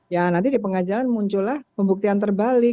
ya nanti di pengajaran muncul lah pembuktian terbalik